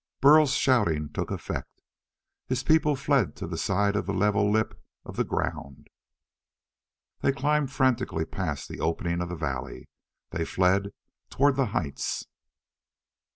Burl's shoutings took effect. His people fled to the side of the level lip of ground. They climbed frantically past the opening of the valley. They fled toward the heights.